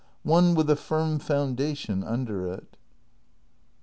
One with a firm foundation under it.